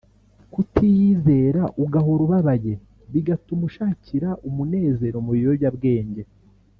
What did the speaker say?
kutiyizera ugahora ubabaye bigatuma ushakira umunezero mu biyobyabwenge